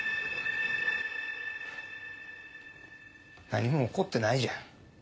何も起こってないじゃん。